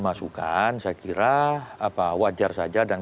masukan saya kira wajar saja dan